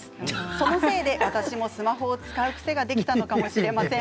そのせいで私もスマホを使う癖がついたのかもしれません。